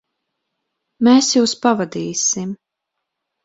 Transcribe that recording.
Mēs jūs pavadīsim.